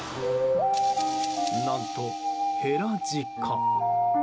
何とヘラジカ。